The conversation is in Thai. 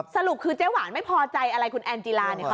สรุปคือเจ๊หวานไม่พอใจอะไรคุณแอนจีลาเนี่ยคะ